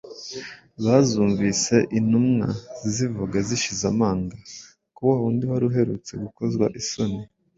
Bazumvise intumwa zivuga zishize amanga ko wa wundi wari uherutse gukozwa isoni,